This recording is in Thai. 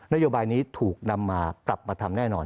นโยบายนี้ถูกนำมากลับมาทำแน่นอน